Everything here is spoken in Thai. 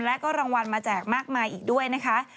และก็รางวัลมาแจกมากมายอีกด้วยนะคะ